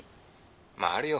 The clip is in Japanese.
まああるよ